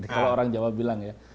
kalau orang jawa bilang ya